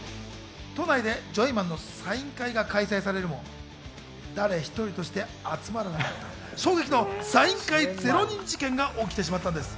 都内でジョイマンのサイン会が開催されるも、誰１人として集まらなかった衝撃のサイン会０人事件が起きてしまったんです。